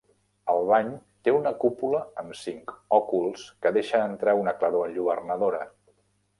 El bany té una cúpula amb cinc òculs que deixa entrar una claror enlluernadora.